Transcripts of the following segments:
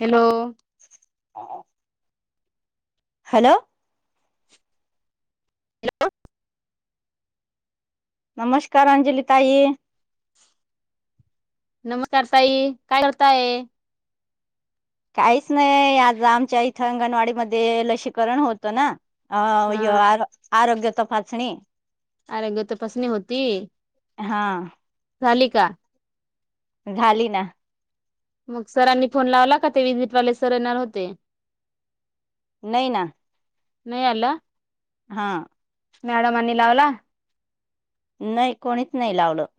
Hello. [inaudible] Hello hello. Hello. नमस्कार अंजली ताई. नमस्कार तई काय करताये? काहीच नाही आज आमच्या इथं अंगणवाडी मध्ये लसीकरण होतं ना, अ य्यो हा आ आरोग्य तपासणी. आरोग्य तरपसणी होती. हा. झाली का? झाली ना, मग सरांनी फोन लावला का ते विजिटवाले सर येणार होते. नही ना, [inaudible] नाही आल हा [inaudible] मॅडमांनी लावला [inaudible] नाही कोणीच नाही लावलं [inaudible]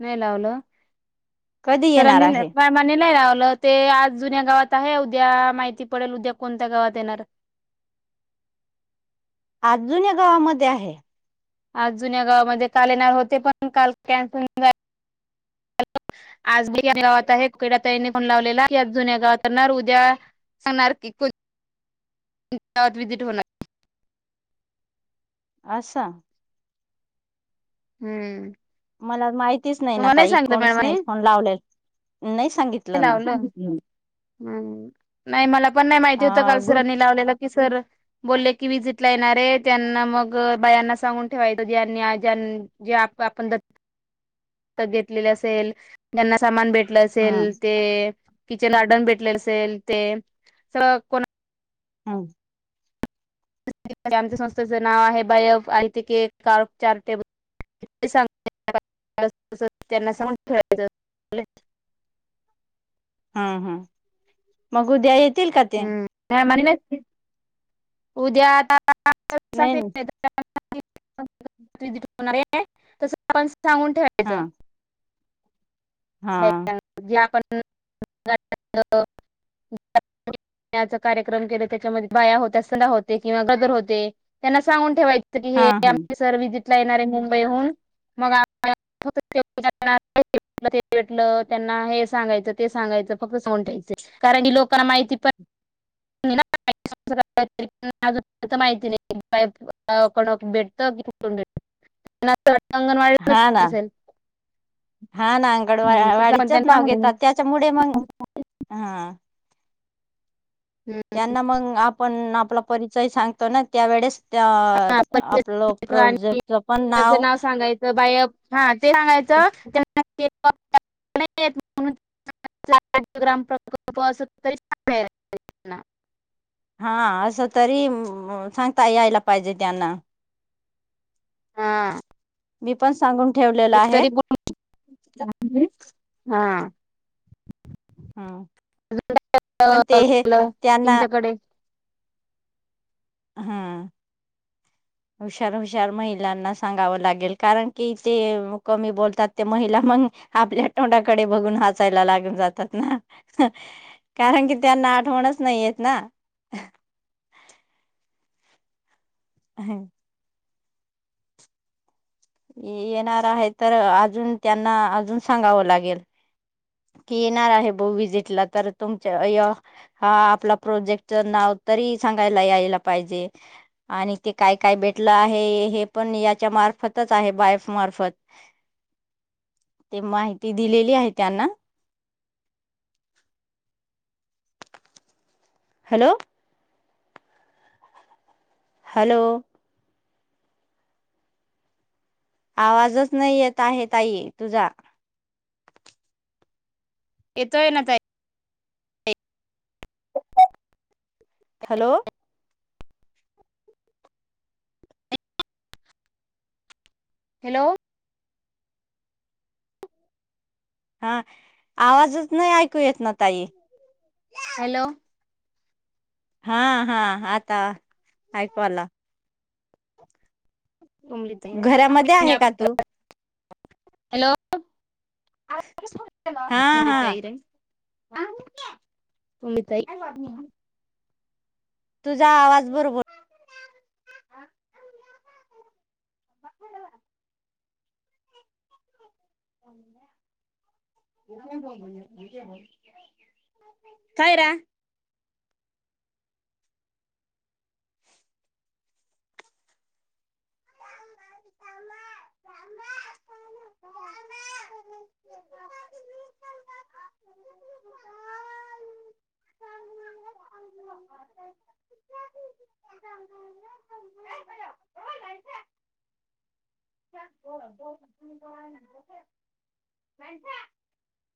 नाही लावलं [inaudible] कधी [inaudible] येणार सुरनी आहे मणलाय रा ते आज जुन्या गावात आहे उद्या माहिती पडेल उद्या कोणत्या गावात येणार [inaudible] अजून या गावामध्ये आहे [inaudible] आज जुन्या गावामध्येध्ये काल येणार होते पण काल कॅमपून आजी गावात आहे कुकड तईने कोन लावलेला जुन्या गावात आणणार उद्या सांगणार की गावातजिट होणार आसाम [inaudible] [inaudible] हम्म मला माहितीच नाही ना तुम्हाला तई सांगितलं कोणीच नाही मॅडमांनी फोन लावलेल [inaudible] नाही सांगितलं ना हम्म नाही मला [inaudible] पण नाही माहिती होतं अ काल ग्रुप सरांनी लावलेलं की सर बोलले की विजिट ला येणार आहे त्यांना मग बायांना सांगून ठेवायचं जनी ज्यां [inaudible] जे आप आपण द [inaudible] [inaudible] घेतलेले असेल जना सामान भेट कलं ह असेल ते किचन अडन भेटले असेल ते [inaudible] कोणा होम [inaudible] आमच्या संस्थेचं नाव आहे बायफ आ ते केक कार चारटेबल त्यांनाांेचं [inaudible] हम हम मग उद्या य [inaudible] त तीलते [inaudible] म्ह [inaudible] उद्या आता नाही णार तस सांगून हा ठेवायचं हा बायकांना जे कार्यक्रम के त्याच्यामध्ये बाया होत्या सदा होते किंवा गदर होते त्यांना सांगून ठेवाय की हा हे ह अमसर वि येणारे मुंबईहून मग भेटलं त्यांना हे सांगायचं ते सांगायचं फक्त सोून ठेयचं कारण की लोकांना माहिती पण माहिती नाही बा भेटत भ हा ना हा ना अंगड तसं आपण वाडीचंच त्यांना नाव घेतात त्याच्यामुळे मग सांगून हा हम्म त्यांना मग आपण आपला परिचय सांगतो ना त्यावेेळेस त्या ह आपलं प्रोजेक्टच पण आणि नाव सांगायचं बायप हा ते सांगायचं ्राम प्रकल्प अस हा असं तरी सांगता यायला पाहिजे त्यांना हा मी पण सांगून ठेवलेलं ते आहे तरी प हा हम्म पण ते हे त्यांना तमच्याकडे हम हुशार हुशार महिलांना सांगावं लागेल कारण कि ते कमी बोलतात ते महिला मग आपल्या तोंडाकडे बघून हसायला लागून जातात ना कारण कि त्यांना आठवणच नाहीयेत ना हम् येणार आहे तर अजून त्यांना अजून सांगावं लागेल की येणार आहे ब विजिटला तर तुमच्या हा आपला प्रोजेक्टच नाव तरी सांगायला यायला पाहिजे आणि ते काय काय भेटलं आहे हे पण याच्या मार्फतच आहे बायफ मार्फत ते माहिती दिलेली आहे त्यांना हॅलो हॅलो आवाजच नाही येत आहेत ताई तुझा येतोय नता हॅलो हॅलो हा आवाजच नाही येतन तई हॅलो हा हा आता ऐकवाला [inaudible] घरामध्ये आहे का तू [unintelligible] हॅलो हा हा तैरंग [unintelligible] तुझा आवाज बरोबर [inaudible] कायरा. [unintelligible] ह [unintelligible] [unintelligible]